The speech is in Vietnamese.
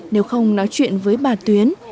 nếu không nói chuyện với bà tuyến